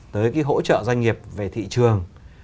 tới cái hỗ trợ doanh nghiệp về thị trường